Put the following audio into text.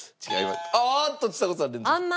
ああっとちさ子さん。